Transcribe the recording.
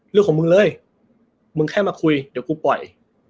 มึงเลยมึงแค่มาคุยเดี๋ยวกูปล่อย